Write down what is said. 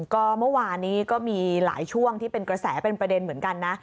ก็เมื่อวานนี้ก็มีหลายช่วงที่เป็นกระแสเป็นประเด็นเหมือนกันนะ